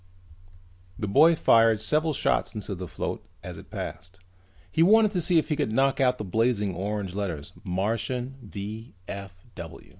The boy fired several shots into the float as it passed. He wanted to see if he could knock out those blazing orange letters: MARTIAN V.